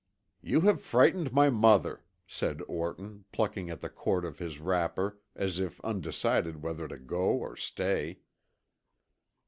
"You have frightened my mother," said Orton, plucking at the cord of his wrapper, as if undecided whether to go or stay.